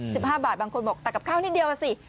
ห้าบาทบางคนบอกแต่กับข้าวนิดเดียวอ่ะสิ